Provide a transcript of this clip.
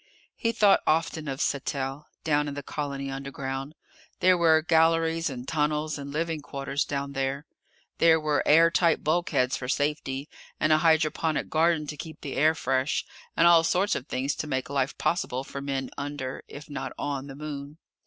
He thought often of Sattell, down in the colony underground. There were galleries and tunnels and living quarters down there. There were air tight bulkheads for safety, and a hydroponic garden to keep the air fresh, and all sorts of things to make life possible for men under if not on the Moon.